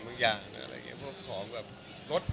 พอเพราะอีกของรถ